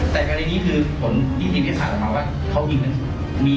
แต่ในการยิงคือหลังจากที่ทฤษฐาสาบาไปว่า